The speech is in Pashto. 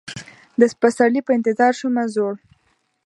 د پسرلي په انتظار شومه زوړ